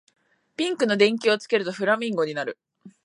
ピンクの電球をつけるとフラミンゴになる